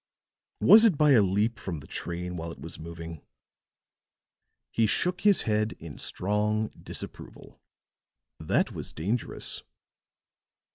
Was it by a leap from the train while it was moving?" He shook his head in strong disapproval. "That was dangerous."